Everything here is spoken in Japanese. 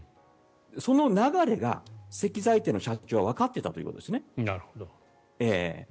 その流れが石材店の社長はわかっていたということなんですね。